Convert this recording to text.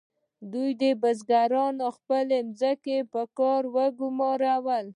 دوی بزګران په خپلو ځمکو کې په کار وګمارل.